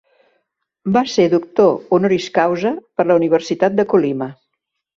Va ser doctor honoris causa per la Universitat de Colima.